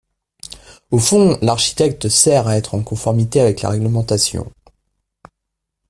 Au fond, l’architecte sert à être en conformité avec la réglementation.